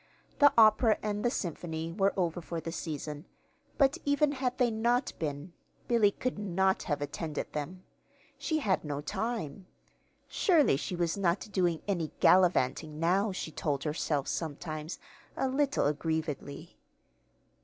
The opera and the Symphony were over for the season, but even had they not been, Billy could not have attended them. She had no time. Surely she was not doing any "gallivanting" now, she told herself sometimes, a little aggrievedly.